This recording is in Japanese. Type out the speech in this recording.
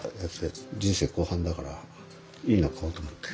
人生後半だからいいの買おうと思って。